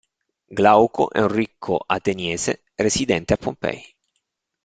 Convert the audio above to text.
Glauco è un ricco ateniese residente a Pompei.